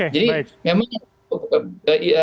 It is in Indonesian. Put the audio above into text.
jadi memang apa namanya